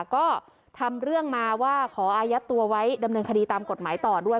ก็ทำเรื่องมาว่าขออายัดตัวไว้ดำเนินคดีตามกฎหมายต่อด้วย